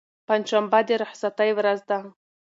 پنجشنبه د رخصتۍ ورځ ده.